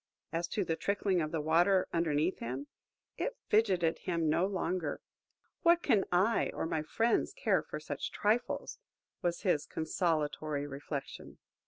As to the trickling of the Water underneath him, it fidgeted him no longer. "What can I or my friends care for such trifles?" was his consolatory reflection.